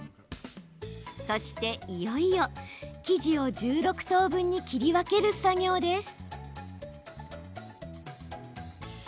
そして、いよいよ生地を１６等分に切り分ける作業です。